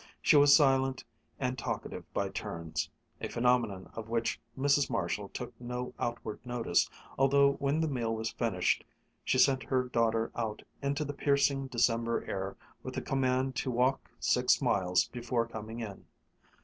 She was silent and talkative by turns a phenomenon of which Mrs. Marshall took no outward notice, although when the meal was finished she sent her daughter out into the piercing December air with the command to walk six miles before coming in.